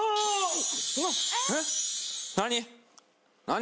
何？